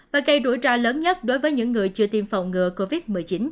và gây rủi ro lớn nhất đối với những người chưa tiêm phòng ngừa covid một mươi chín